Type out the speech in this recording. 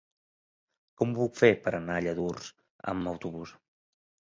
Com ho puc fer per anar a Lladurs amb autobús?